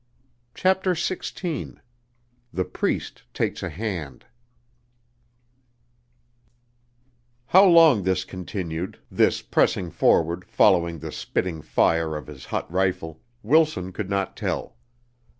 CHAPTER XVI The Priest Takes a Hand How long this continued this pressing forward, following the spitting fire of his hot rifle Wilson could not tell.